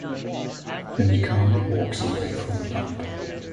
Then he calmly walks away from dump.